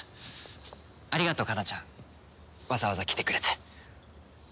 ありがとう加奈ちゃんわざわざ来てくれて。